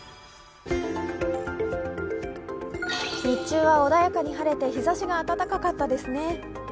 日中は穏やかに晴れて日ざしが暖かかったですね。